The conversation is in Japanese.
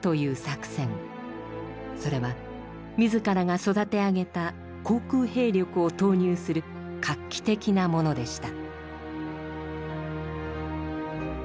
それは自らが育て上げた航空兵力を投入する画期的なものでした。